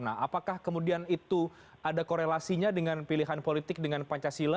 nah apakah kemudian itu ada korelasinya dengan pilihan politik dengan pancasila